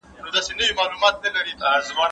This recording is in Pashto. په دې تجربه کې هر ګډونوال د رنګونو توپیر وښود.